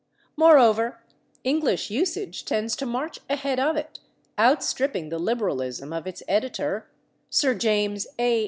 Moreover, English usage tends to march ahead of it, outstripping the liberalism of its editor, Sir James A.